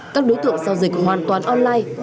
các đối tượng sau dịch hoàn toàn online